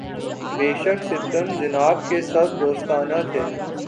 بے شک ستم جناب کے سب دوستانہ تھے